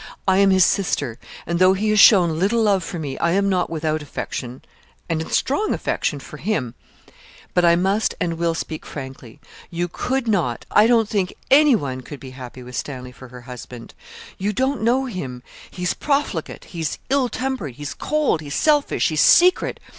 I am his sister, and, though he has shown little love for me, I am not without affection and strong affection for him; but I must and will speak frankly. You could not, I don't think anyone could be happy with Stanley for her husband. You don't know him: he's profligate; he's ill tempered; he's cold; he's selfish; he's secret.